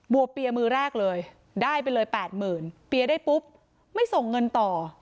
วกเปียมือแรกเลยได้ไปเลยแปดหมื่นเปียร์ได้ปุ๊บไม่ส่งเงินต่อ